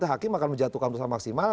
hakim akan menjatuhkan maksimal